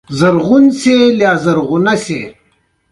د یوې کوټې دروازه مې خلاصه کړه: هلته هم دوه بسترې شته.